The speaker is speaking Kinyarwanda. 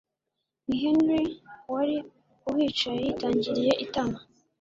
ni Henry wari uhicaye yitangiriye itama